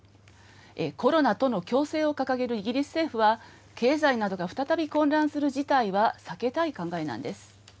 コロナとの共生を掲げるイギリス政府は、経済などが再び混乱する事態は避けたい考えなんです。